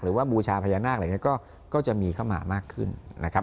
บูชาพญานาคอะไรอย่างนี้ก็จะมีเข้ามามากขึ้นนะครับ